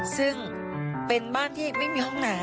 ซึ่งเป็นบ้านที่ไม่มีห้องหนา